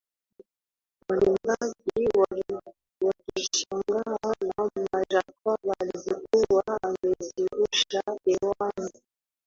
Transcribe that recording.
Walibaki wakishangaa namna Jacob alivyokuwa amejirusha hewani